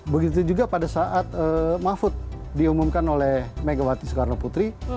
begitu juga pada saat mahfud diumumkan oleh megawati soekarnoputri